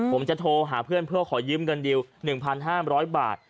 ผมจะโทรหาเพื่อนเพื่อขอยืมเงินดิว๑๕๐๐บาท